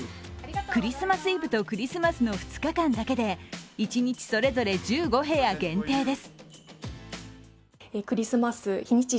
クリスマスイブとクリスマスの２日間だけで一日それぞれ１５部屋限定です。